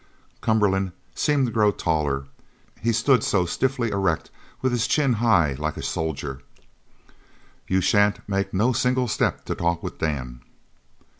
Cumberland seemed to grow taller, he stood so stiffly erect with his chin high like a soldier. "You shan't make no single step to talk with Dan!"